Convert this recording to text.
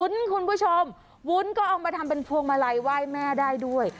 คุณผู้ชมวุ้นก็เอามาทำเป็นพวงมาลัยไหว้แม่ได้ด้วย